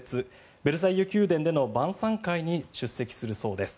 ベルサイユ宮殿での晩さん会に出席するそうです。